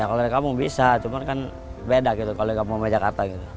ya kalau di kampung bisa cuman kan beda gitu kalau di kampung jakarta gitu